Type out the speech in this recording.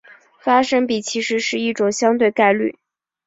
发生比其实是一种相对概率。